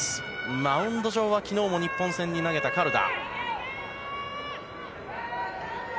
マウンド上は昨日も日本戦で投げたカルダ。